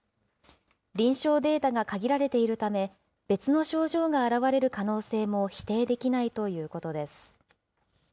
臨床データが限られているため、別の症状が現れる可能性も否定できないということです。